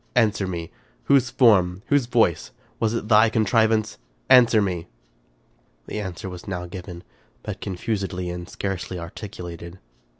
" Answer me : whose form — whose voice, — was it thy contrivance? Answer me." The answer was now given, but confusedly and scarcely articulated.